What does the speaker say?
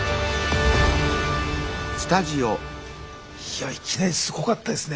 いやいきなりすごかったですね。